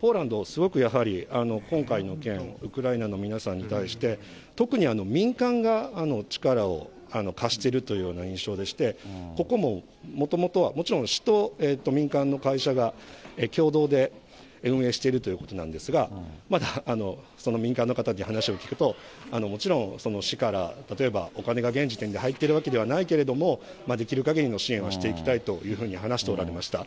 ポーランド、すごくやはり今回の件、ウクライナの皆さんに対して、特に民間が力を貸しているというような印象でして、ここももともとは、もちろん市と民間の会社が共同で運営しているということなんですが、まだ民間の方に話を聞くと、もちろん、市から、例えばお金が現時点で入っているわけではないけれども、できるかぎりの支援はしていきたいと話しておられました。